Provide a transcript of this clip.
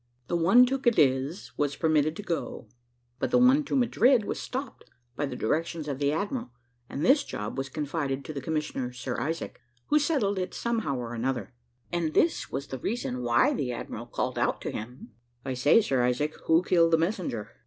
The one to Cadiz was permitted to go, but the one to Madrid was stopped by the directions of the admiral, and this job was confided to the commissioner, Sir Isaac, who settled it some how or another; and this was the reason why the admiral called out to him, `I say, Sir Isaac, who killed the messenger?'